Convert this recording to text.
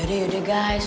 yaudah yaudah guys